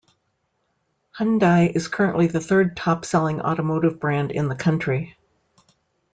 Hyundai is currently the third top selling automotive brand in the country.